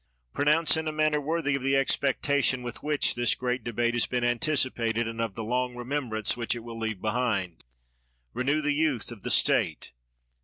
Pronounce in a manner worthy of the expec tation with which this great debate has been anticipated, and of the long remembrance which it will leave behind. Renew the youth of the State.